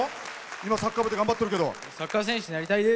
今、サッカー部で頑張ってるけど。